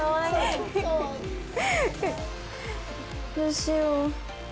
どうしよう。